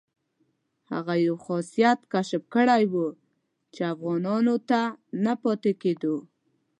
هغه یو خاصیت کشف کړی وو چې افغانانو ته نه پاتې کېدو.